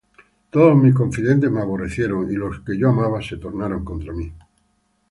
Todos mis confidentes me aborrecieron; Y los que yo amaba, se tornaron contra mí.